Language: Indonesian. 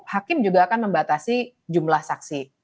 hakim juga akan membatasi jumlah saksi